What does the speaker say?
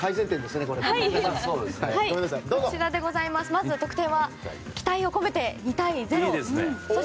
まず得点は期待を込めて２対０。